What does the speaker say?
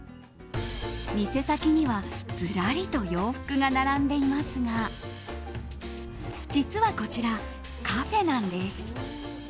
店先にはずらりと洋服が並んでいますが実はこちら、カフェなんです。